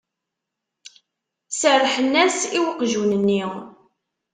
Serrḥen-as i weqjun-nni.